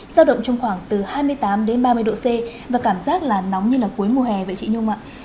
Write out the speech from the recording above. giao động trong khoảng từ hai mươi tám đến ba mươi độ c và cảm giác là nóng như là cuối mùa hè vậy chị nhung ạ